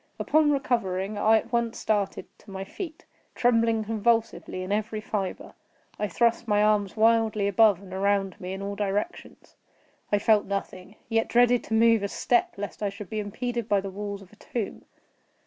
Upon recovering, I at once started to my feet, trembling convulsively in every fibre. I thrust my arms wildly above and around me in all directions. I felt nothing; yet dreaded to move a step, lest I should be impeded by the walls of a tomb.